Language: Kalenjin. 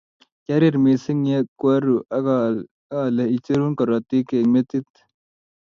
kiarir mising' ya koaroo ale icheru korotik eng' metit